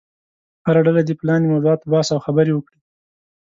هره ډله دې په لاندې موضوعاتو بحث او خبرې وکړي.